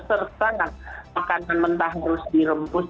serta makanan mentah harus dirembus